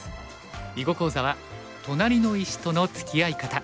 囲碁講座は「となりの石とのつきあい方」。